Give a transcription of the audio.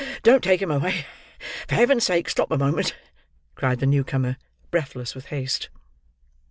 don't take him away! For Heaven's sake stop a moment!" cried the new comer, breathless with haste.